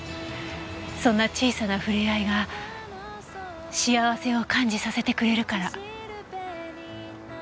そんな小さなふれあいが幸せを感じさせてくれるから。